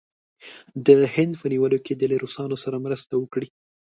د هند په نیولو کې دې له روسانو سره مرسته وکړي.